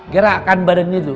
girakan badannya itu